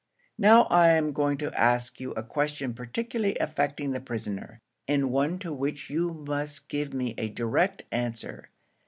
"Now I am going to ask you a question particularly affecting the prisoner, and one to which you must give me a direct answer.